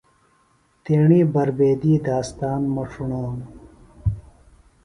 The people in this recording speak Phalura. تیݨی بربیدی داستان مہ ݜوڻانوۡ۔